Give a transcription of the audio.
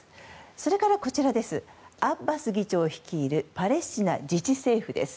それから、アッバス議長率いるパレスチナ自治政府です。